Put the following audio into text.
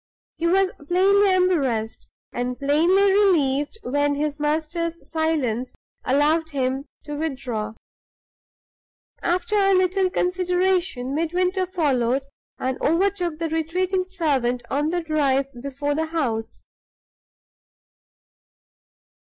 He was plainly embarrassed, and plainly relieved when his master's silence allowed him to withdraw. After a little consideration, Midwinter followed, and overtook the retreating servant on the drive before the house.